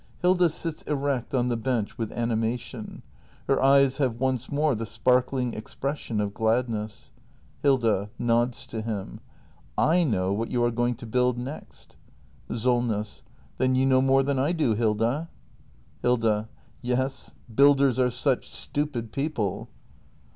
[Hilda sits erect on the bench, with animation. Her eyes have once more the sparkling expression of gladness. Hilda. [Nods to him.] I know what you are going to build next ! SOLNESS. Then you know more than I do, Hilda. Hilda. Yes, builders are such stupid people.